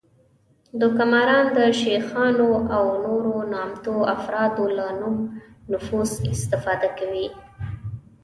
دوکه ماران د شیخانو او نورو نامتو افرادو له نوم او نفوذ استفاده کوي